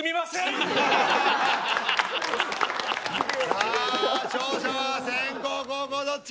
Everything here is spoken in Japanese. さあ勝者は先攻後攻どっち？